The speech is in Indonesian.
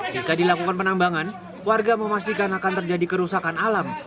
jika dilakukan penambangan warga memastikan akan terjadi kerusakan alam